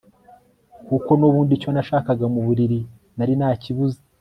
kuko nubundi icyo nashaga mu buriri nari nakibuze